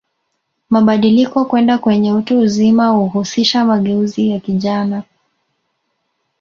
Mabadiliko kwenda kwenye utu uzima huhusisha mageuzi ya kijana